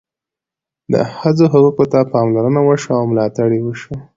د ښځو حقوقو ته پاملرنه وشوه او ملاتړ یې وشو.